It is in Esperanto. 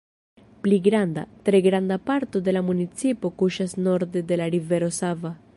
Pli granda, tre granda parto de la municipo kuŝas norde de la Rivero Sava.